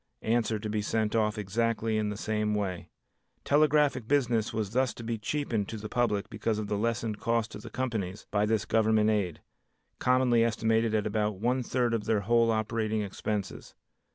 Answer to be sent off exactly in the same way. Telegraphic business was thus to be cheapened to the public because of the lessened cost to the companies by this Government aid, commonly estimated at about one third of their whole operating expenses.